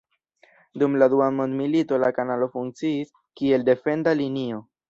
Dum la dua mondmilito la kanalo funkciis kiel defenda linio.